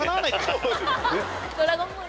ドラゴンボール。